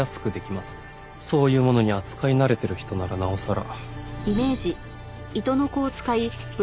そういうものに扱い慣れてる人ならなおさら。